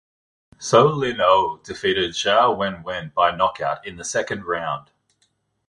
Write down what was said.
Soe Lin Oo defeated Zhao Wen Wen by knockout in the second round.